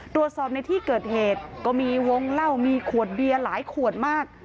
ตรวจสอบในที่เกิดเหตุก็มีวงเหล้ามีขวดเบียร์หลายขวดมาก